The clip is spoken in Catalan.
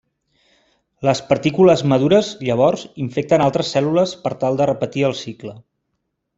Les partícules madures llavors infecten altres cèl·lules per tal de repetir el cicle.